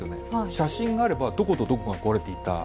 写真があればどことどこが壊れていた。